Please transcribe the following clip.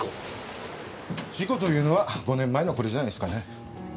事故というのは５年前のこれじゃないですかね？